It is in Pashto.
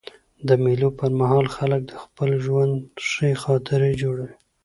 د مېلو پر مهال خلک د خپل ژوند ښې خاطرې جوړوي.